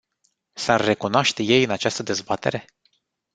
S-ar recunoaște ei în această dezbatere?